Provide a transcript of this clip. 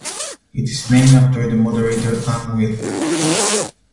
It is named after the moderator Anne Will.